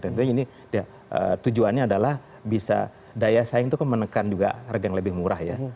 tentunya ini tujuannya adalah bisa daya saing itu kan menekan juga harga yang lebih murah ya